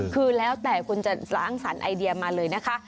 คือแล้วแต่คุณจะล้างสารไอเดียมาเลยนะคะ